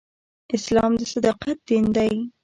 اسلام د صداقت دین دی.